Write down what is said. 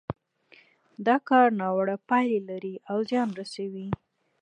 دا کار ناوړه پايلې لري او زيان رسوي.